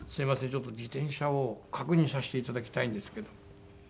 ちょっと自転車を確認させていただきたいんですけど」。